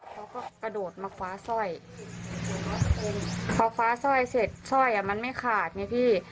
เขาก็กระโดดมาคว้าสร้อยพอคว้าสร้อยเสร็จสร้อยอ่ะมันไม่ขาดไงพี่